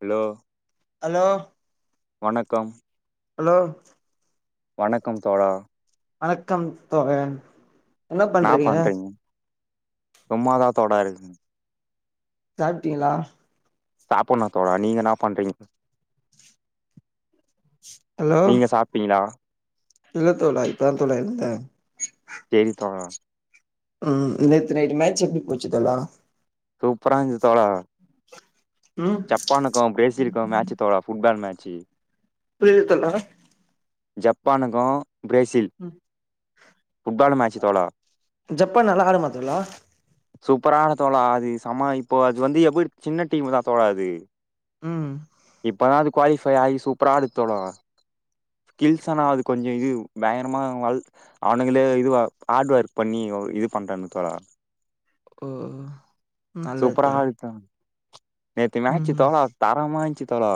hello hello வணக்கம் hello வணக்கம் தோழா வணக்கம் தோழன் என்ன பண்றீங்க சும்மாதான் [unintelligible] இருக் சாப்ட்டீங்ளா சாப்புண்ணு தோழா நீங்க என்னா பண்றீங் [inaudible] நீங்க சாப்டிங்ளா இல்ல தோழா இப்பதா தோழா எழுந்தே சேரி தோழா ம் நேத்து நைட் மேட்ச் எப்டி போச்சு தோழா சூப்பரான்ஞ்சி தோழா ம் ஜப்பானுக்கு பிரேசிலுக்கு மேட்சு தோழா ஃபுட் பால் மேட்ச்சு புரில தோழா ஜப்பானுக்கு பிரேசில் ஃபுட் பாலு மேட்ச்சு தோழா ஜப்பான் நல்லா ஆடுமா தோழா சூப்பரான தோழா அது செம இப்போ அது வந்து எப்டி சின்ன டீமு தா தோழா அது ம் இப்பதா அது குவாலி ஃபை ஆயி சூப்பரா ஆடுது தோழா ஸ்கில்ஸ் ஆனா அது கொஞ்சோ இது பயங்கரமா [unintelligible] அவனுங்களே இது ஹார்ட் ஒர்க் பண்ணி ஓ இது பண்றானுங் தோழா ஓ நல்லது தோழா சூப்பராள்ட்டே நேத்து மேச்சு ம் தோழா தரமா இஞ்ச்சி தோழா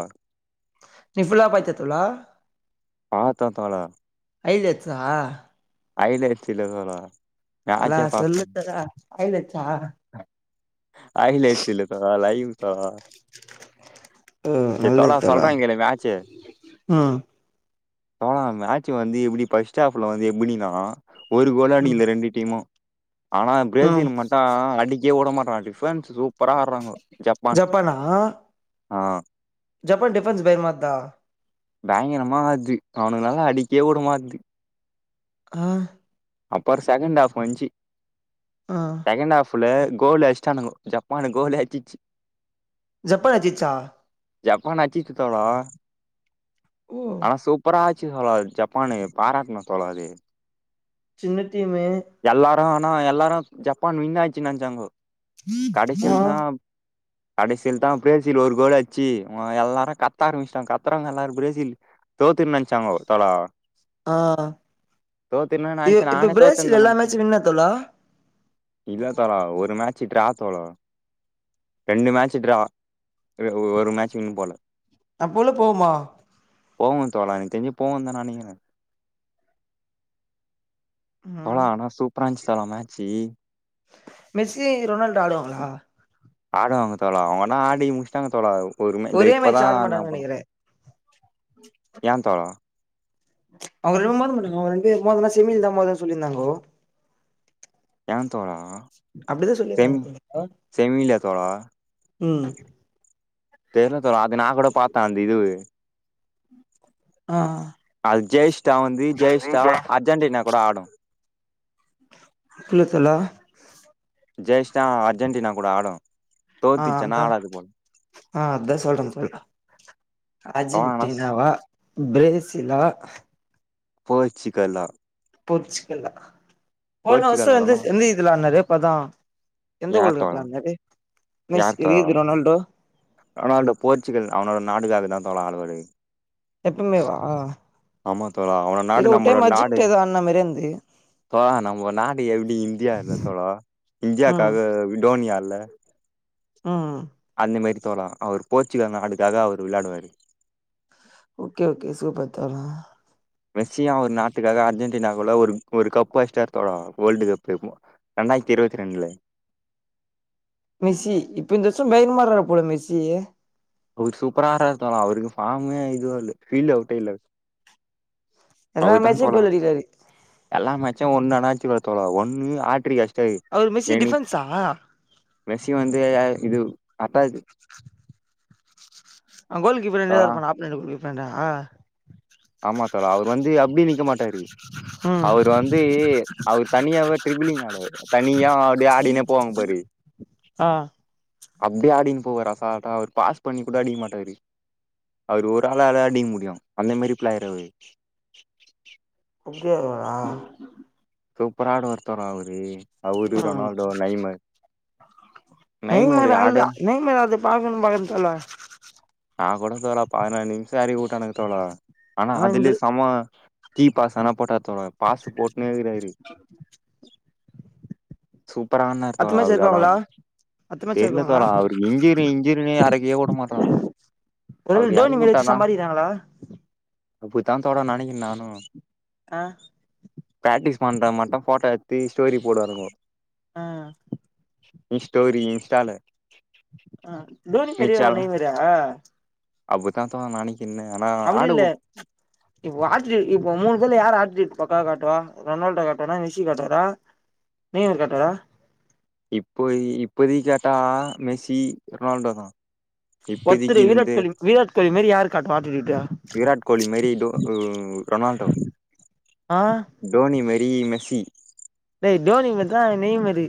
நீ ஃபுல்லா பாத்தியா தோழா பாத்தே தோழா ஐலைட்ஸா ஐலைட்ஸ் இல்ல தோழா தல மேட்ச்சே பாத்தோ சொல்லு தல ஐலட்ஸா ஐலைட்ஸ் இல்ல தோழா லைவ் தோழா ம் சே நல்லது தோழா சொல்றே கேளு மேச்சு ம் தோழா மேட்சு வந்து எப்டி பஸ்ட் ஹாஃப்ல வந்து எப்டினா ஒரு கோலு ம் அடிக்ல ரெண்டு டீமு ஆனா ம் பிரேசில் மட்டூ அடிக்கே உட மாட்றாங்க டிஃபன்ஸ் சூப்பராடுறாங்க ஜப்பான் ஆனா ஆ ஜப்பான் டிஃபென்ஸ் பயர்மாத்தா பேங்கரமா ஆட்து அவனுக்குல்லா அடிக்கே உடமாட்து ஆ அப்பற் செகண்ட் ஹாஃப் வந்த்ச்சி ஆ செகண்ட் ஹாஃப்ல கோல் அச்ட்டானுங்கோ ஜப்பானு கோல் அச்சிச்சு ஜப்பான் அச்சிச்சா ஜப்பான் அச்சிச்சி தோழா ஓ ஆனா சூப்பரா ஆச்சு தோழா ஜப்பானு பாராட்ணு தோழா அது சின்ன டீமு எல்லாரு ஆனா எல்லாரோ ஜப்பான் வின்னாய்ச்சு நெனைச்சாங்கோ வா கடேசில் தா பிரேசில் ஒரு கோல் அச்சி ஒ எல்லாரு கத்த ஆரம்ச்ட்டாங்க கத்துறவங்க எல்லாரு பிரேசில் தோத்துர் நெனச்சாங்கோ தோழா ஆ தோத்துருன்னு இ நெனச்சே இப்ப நானே தோத்துருன்னு பிரேசில் தா எல்லா நெனச்சே மேட்சு வின்னா தோழா இல்ல தோழா ஒரு மேட்ச்சு டிரா தோழா ரெண்டு மேட்சு டிரா ஒரு மேட்சு வின் போல அப்போல போவ்மா போவு தோழா எனக் தெஞ்சு போவூன் தா நெனைக்குறே ம் தோழா ஆனா சூப்பரான்ச்சி தோழா மேச்சி மெர்ஸி ரொனால்டு ஆடுவாங்களா ஆடுவாங்க தோழி அவங்கனா ஆடி முட்ச்ட்டாங்க தோழா பொறுமை இத ஒரே இப்பதா மேட்ச் ஆட என்ன மாட்டாங்கன்னு பண் நெனைக்கிறே ஏ தோழா அவுங்க ரெண்டு [unintelligible] அவுங் ரெண்ட்பே இருக்கும் போதெல்லா செமில்தா மொதல்ல சொல்லிருந்தாங்கோ ஏ தோழா அப்டிதா செம் சொல்லிருந்தாங்க தோழா செமில தோழா ம் தெர்ல தோழா அது நாங்கூட பாத்தே அந்த இதுவு ஆ அது ஜெய்ஷ்டா வந்து ஜெய்ஷ்டா அர்ஜென்டினா கூட ஆடு கில்ல தோழா ஜெய்ஷ்டா அவ அர்ஜென்டினா கூட ஆடு ஆ தோத்துச்சுன்னா அதா ஆடாது போல ஆ அதா சொல்றே சொல்றே தோழா ஆனா ஸ் அர்ஜென்டினாவா பிரேசிலா போர்ச்சிகல்லா போர்ச்சுக்கல்ல போர்ச்சுகல்னா இதுல நெறையாபதா எந்த யார் ஊரு தோழா யார் தோழா [unintelligible] ரொனால்டோ ரொனால்டோ போர்ச்சுகல் அவனோட நாட்டுகாகதா தோழ ஆடுவாரு எப்பமேவா ஆமா தோழா அவ நாடு நம்மளோட நாடு ப்போ நம்ம நாடு எப்டி இந்தியால தோழா இந்தியாக்காக டோனி ஆ ல அந்த மேரி தோழா அவர் போர்ச்சுகல் நாடுக்காக அவரு விளாடுவாரு ஓகே ஓகே சூப்பர் தோழா மெஸ்ஸியு அவுரு நாட்டுக்காக அர்ஜென்டினா கூட ஒரு ஒரு கப்பு அடிச்டாறு தோழா வேல்டு கப்பு ஆயிர்த்தி இருவத்தி ரெண்ல மெஸ்ஸி இப்ப இந்தருச பயங்ரமா ஆறாறு போல மெஸ்ஸி அவரு சூப்பரா ஆராறு தோழா அவருக்கு ஃபார்மே இதுவு இல்ல ஃபீல்டு அவுட்டே இல்ல எல்லா அவுருதா மேட்சு போல கோல் அடிக்கிறாரு எல்லாமே ஒன்னு அனாச்சி [unintelligible] தோழா ஒன்னு ஆற்றியஷ் சரி அவரு மெஸ்ஸி எனக் டிஃபென்ஸா மெஸ்ஸி வந்து இது அட்டா ஆ கோல் கீப்பர் தோழா இருப்பண்ணா அப் கோல் கீப்பர்ண்டா ஆமா தோழா அவுர் வந்து அப்டி நிக்க மாட்டாரு ம் அவுரு வந்து அவரு தனியாவே ட்ரிபிலிங் ஆடுவாரு தனியா அப்டியே ஆடினே போவாங் பாரு ஆ அப்டி ஆடின்னு போவாரு அசால்ட்டா அவர் பாஸ் பண்ணி கூட அடிக்க மாட்டாரு அவரு ஒரு ஆலால அடிக்க முடியு அந்த மேரி ப்ளையறு அவுரு [unintelligible] சூப்பரா ஆடுவாரு தோழா அவுரு அவுரு ம் ரொனால்டோ நைமர் நெய்மர நைமரு ஆடு ஆள்தா நெய்மர அது பாக்கணு பாக்கு சொல்ல நான் கூட தோழா பதினாலு நிமிச எறக்யூடானுங்க தோழா ஆனா அதுல சம கீ பாசனா போட்டா தோழா பாசு போட்னே இருக்றாரு சூப்பரா ஆட்னாரு அடுத்த தோழா மேட்ச் இருக்காங்களா அவுரு அடுத்த [unintelligible] மேட்ச் தெர்ல இருக்காங்களா தோழா அவருக்கு இன்ஜீரி இன்ஜீரினே எரைக்கியே வுட மாட்றாங்க ஒருவேள அவரு டோனி மேல வச்சி சம்பாறிக்றாங்ளா அப்படித்தா தோழா நெனைக்றே நானு ஆ பிராக்டிஸ் பண்ற மட்டு போட்டோ ஸ்டோரி போடுவானுங்கோ அ இஸ்டோரி இன்ஸ்டால அ டோனி மெரிய ஒன்னை மெரியா அப்பிதாத்தா நெனைக்கு அப்டி இல்ல இப்ப [unintelligible] இப்ப மூணு இதுல யார் [unintelligible] பக்கா காட்டவா ரொனால்டோ காட்டவாரா ரிஷி காட்டவாரா [unintelligible] காட்வாரா இப்பொய் இப்பொதி கேட்டா மெஸ்ஸி ரொனால்டோதா இப்பதிக்கி ஒருத்தரு இந்த விராட் கோலி விராட் கோலி மாரி யாரு காட்டுவா ஆட்டிடியூட்டு விராட் கோலி மாரி டோ ம் ரொ னால்டோ ஆ டோனி மேரி மெஸ்ஸி டேய் டோனி மேரிதா நெய் மேரி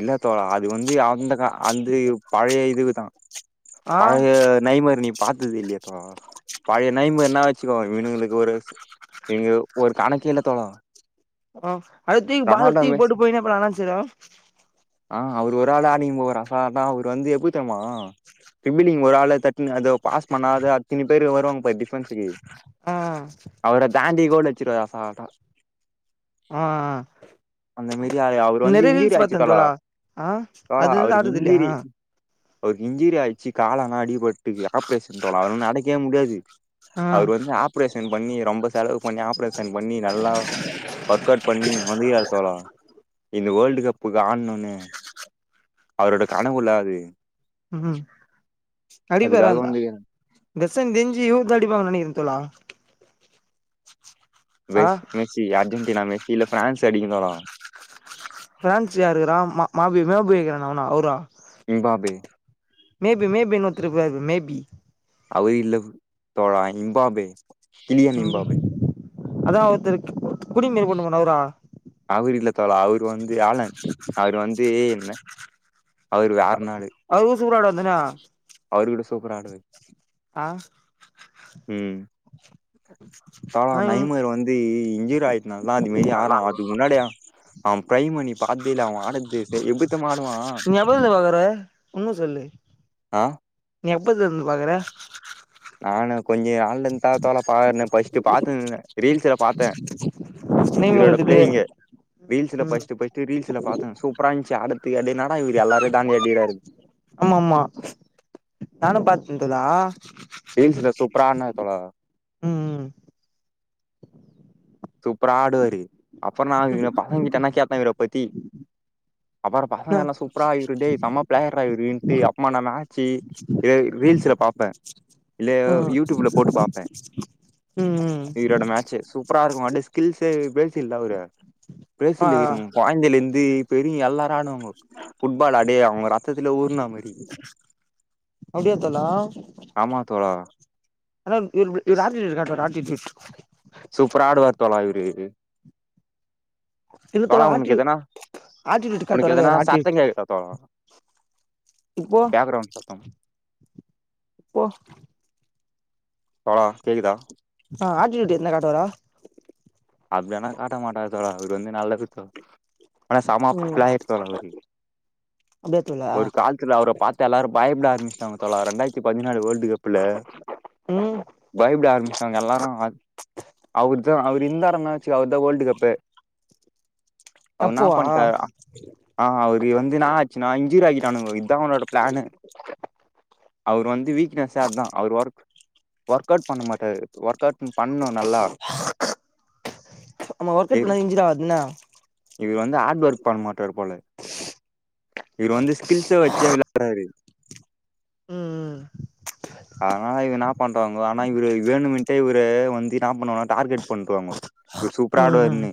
இல்ல தோழா அது வந்து அந்த கா அந்த பழைய இதுதா ஆ பழைய நைமர் நீ பாத்தது இல்லையேப்பா பழைய நைமர்னா வச் ச்சு இவுனுங்களுக்கு ஒரு இங்க ஒரு கணக்கே இல்ல தோழா அ அப்டியே தூக் பால ரொனால்டோ தூக்கி போட்டு போயினே இப்ப என்ன செய்வா அ அவரு ஒரு ஆளா நீங்க போற அசால்டா அவரு வந்து எப்டி தெரிமா ட்ரிபிலிங் ஒரு ஆளா தட்னு அத பாஸ் பண்ணாத அத்தினி பேரு வருவாங்க பாரு டிஃபென்ஸுக்கு ஆ அவர தாண்டி கோட அச்சிருவாரு அசால்ட்டா ஆ அந்த மேரி அ அவரு வந்து நெறைய இஞ்ஜீரி ரீல்ஸ் ஆயிச்சு பாத்தே தோழா ஆ அது இருந்து அவருக்கு ஆடுது இல்லையா இஞ்ஜீரி அவருக்கு இன்ஜுரி ஆயிச்சி காலானா அடிபட்டுகு ஆப்ரேஷன் தோழா அதனால நடக்கவே முட்யாது ஆ அவுர் வந்து ஆப்ரேஷன் பண்ணி ரொம்ப செலவு பண்ணி ஆப்ரேஷன் பண்ணி நல்லா ஒர்க் அவுட் பண்ணி வந்திகிராரு தோழா இந்த வேல்டு கப்புக்கு ஆட்ணுனு அவரோட கனவுல்ல அது ம் அதுக்காக அடிப்பாராந்தா வந்து தசன் தெஞ்சு யூத் அடிப்பாங்க நனகிற தோழா ஆ மெஸ் மெஸ்ஸி அர்ஜென்டினா மெஸ்ஸி இல்ல ஃபிரான்ஸ் அடிக்கு தோழா ஃபிரான்ஸ் யாருகிறா மாப் மாப்பி மாப்பி இருகிறான் அவனா அவுரா இன்பாபி மேபி மேபின்னு ஒத்தரு இருப்பாரு பாரு மேபி அவரு இல்ல தோழா இம்பாபே கிளியன் ம்பா இம்பாபே அதா ஒருத்தரு குடிமேறி போட்னு போனாரே அவுரா அவுர் இல்ல தோழா அவரு வந்து ஆளன் அவுர் வந்து என்ன அவுருக்கு ஆறுநாளு சூப்பராடு வந்துனா அவுரு கூட சூப்பரா ஆடுவாரு ஆ ம் தோழா ஆனா நைமர் வந்து இன்ஜுரி ஆய்ட்டு நல்லாந்தி அது மாரி ஆனா அதுக்கு முன்னாடி பிரைமணி பார்த்தில அவ ஆடன்து செ எப்டிதெரிமா ஆடுவா நீ எப்பதுல பாக்குற உண்ம சொல்லு நீ எப்பத்லருந்து பாக்குற நானு கொஞ்ச நாள்லந்தா தோழா பாகுறனே பஃர்ஸ்ட் பாத்துனுருந்த ரீல்ஸ்ல பாத்தேன் நேம் இவரோட இருக்குது பிளேயிங்கு ரீல்ஸ்ல ம் ஃபர்ஸ்ட் ஃபர்ஸ்ட் ரீல்ஸ்ல பாத்தங்க சூப்பர இருந்ச்சு ஆட தூக்கி அடி என்னாடா இவுரு அல்லாரயு டாங்கி அடிகிராரு ஆமாமா நானும் பாத்த தோழா ரீல்ஸ்ல சூப்பரா ஆட்னாரு தோழா ம் ம் சூப்பரா ஆடுவாரு அப்பற நா ம் பசங்க கிட்டனா கேப்ப இவர பத்தி அப்பற பசங்க எல்லா சூப்பரா ஆ இவுரு டேய் சம பிளேயர் ரா இவருன்ட்டு அப்றமா நா மேட்சு இத ரீல் ஸ்ல பாப்ப இல்லயோ ம் யூடியூப்ல போட்டு பாப்பேன் ம் ம் இவுரோட மேட்சு சூப்பரா இருக்கும் ஓ ஆடு ஸ்கில்ஸ் பேசில் தான் அவுரு ஆ பிரேசிலிருக்கு கொயிந்தைலிருந்து பெரியவுங் எல்லா ல்லா ஆடுன்வாங்கோ ஃபுட்பால் அடியே அவுங்க ரத்தத்துல ஊர்னா மாரி அப்டியா தல ஆமா தோழா ஆனா இ இவுர் இவுரு ஆட்டிடியூட் காட்டுவாரு ஆட்டிடியூட் சூப்பரா ஆடுவார் தோழா இவுரு இல்ல தோழா ஆட்டி உனக்கெதனா ஆட்டிடியூட் காட்டுவாரு உனக்கெதனா கேக்குறே ஆட்டிடியூட் சத்தங்கேக்குதா தோழா இப்போ பேக்ரவுண்ட் சத்தம் போ தோழா கேக்குதா ஆ ஆட்டிடியூட் எதனா காட்டுவாரா அப்டியானா காட்ட மாட்டாரு தோழா அவுரு வந்து நல்லது தோ ஆனா சமா ம் ப்ளயர் தோழா அவரு அப்டியா தோழா ஒரு கால்த்துல அவர பாத்து எல்லாரு பயப்ட ஆரம்பிச்டாங்க தோழா ரண்டாயிரத்தி பதினாலு வேர்ல்டு கப்ல ம் பயப்ட ஆரமிச்டாங்க எல்லாருஅத் அவு து அவுர் இந்தாருனா வச்சுக அவுர் தா வேர்ல்டு கப்பே அவுரு ன்னா அப்போவா பண்ணிட்டார் ஆ அவுரு வந்து நா ஆச்சுன்னா ஹுரோ ஆக்கிட்டானுங்கோ இத்தான் அவனோட பிளான்னு அவுர் வந்து வீக்னஸா அதான் அவுர் ஒர்க் ஒர்க் அவுட் பண்ண மாட்டாரு ஒர்க் அவுட் பண்ணு நல்லா ஆமா ஒர்க் அவுட் பேரு பண்ணாத இன்ஜூரி ஆவாது என்ன இவர்ரு வந்து ஹாட் ஒர்க பண்ணமாட் டாருபோல இவரு வந்து ஸ்கில்ஸ வச்சே விளையாடூறாரு ம் ம் அதனால இவர் என்னா பண்றாங்கோ ஆனா இவரு வேணு மின்ட்டே இவரு வந்து என்ன பண்ணுவனா டார்கெட் பண்ட்டுவாங்கோ இவரு சூப்பரா ம் ஆடுவார் ம் இனி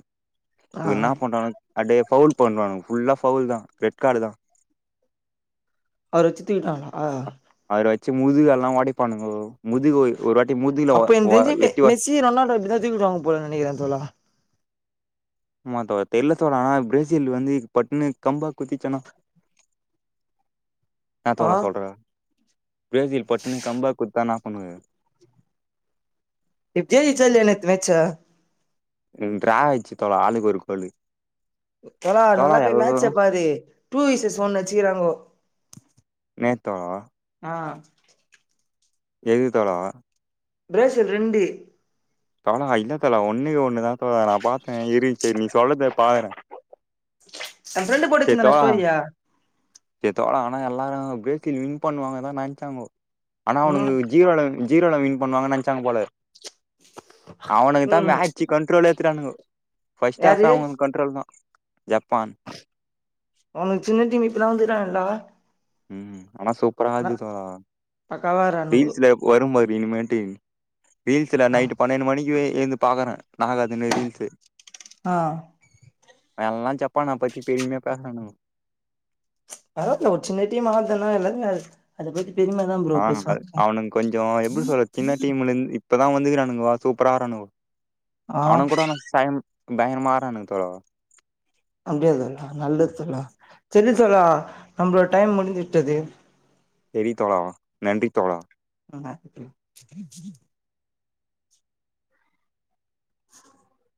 ஆ இ என்ன பண்வாரு அடியே பவுல் பண்றாங்க புல்லா பவுல் தா ரெட் கார்டு தா அவர வச்சி தூக்கிட்டாங்களா அச்சி முதுக எல்லா வொடிப்பானுங்கா முதுகு ஒரு வாட்டி முதுகுல ஒ அப்போ எனக் ஒ தெரிஞ்சி‌ எட்டி ஒ மெஸி ரொநால்டோ அப்டிதா தூக்கிடுவாங்க போல நினைக்கிறே தோழா ஆமா தோழா தெரில தோழா ஆனா பிரேசில் வந்து பட்டுன்னு கம்பா குத்திச்சன்னா ன்ன ஆ தோ‌ழா சொல்றே பிரேசில் பட்ன்னு கம்பாக்குத்தா எனபண்ணுவ இப்ப ஜெய்ச்சுசா இலநேத்து மேட்ச்ச டிரா ஆச்சு தோழரே ஆளுக்கு ஒரு கோலு தோலா தோழா நல்லாபோய் எல்லா மேட்சபீபோயி பாரு டூ வீசஸ் ஒன்னு வச்சக்கிறாங்கோ நேத்தா ஆ எது தோழு பிரேசில் ரெண்டு தலா இல்ல தலா ஒண்னே ஒண்ணுதா த நா பாத்த இரு சரி நீ சொல்லத பாக்குறேன் எ ஃபிரண்டுபோட்டுச்சிருந்த ஸோரி ஸோரி ரிய எதோ ஆனா எல்லாரு ப்ரேசில் வின் பண்ணுவாங்கதா நினைச்சாஙகோ ஆனா அவனுக்கு ம் ஜீரோன் ஜீரோல வின் பண்ணுவாங்க நினைச்சாங்க போல அவனுக தா ம் மேட்சு கண்ட்ரோலே எத்துட்டானுகோ ஃபஸ்ட் ஆஃப்பே யாரு அவனு கண்ட்ரோ தா ஜப்பான் அவனுக்கு சின்ன டீம் இப்பல்லா வந்துங்கிறானல ம் ஆனா சூப்பர அது ரா பக்காவா ஆடுறானுங்கோ ரீல்ஸ்ல வரும்பாரு இனிமேட்டு ரீல்ஸ்ல ஆ நைட்டு பன்னெண்டு மணிக்கு எழுந்து பாக்குற நாகாதுன ரீல்ஸ்சு ஆ அவன் எல்லா ஜப்பானா பத்தி பெமையா பேசுானுன்கோ பரவல ஒரு சின்ன டீம் ஆடுதுன்னா எல்லாருமே அது அதை போயி ஆ அவனுக கொஞ்ச எப்டி சொல்ற சின்ன டீம்ல இருந்து இப்ப அ வந்துக்கிறானுகோ சூப்பராஆரானுகோ ஆ அவனு கூட சவூ ண் பயங்கிறமா ஆட்றானுங்க தோழா அப்டியா தோழா நல்லது தோழா சரி தோழா நம்மளோட டைம் முடிஞ்சிட்டது செரி தோழா வா நன்றி தோழா ஆ [unintelligible] [unintelligible]